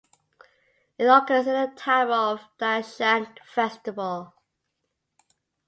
It occurs in the time of Dashain festival.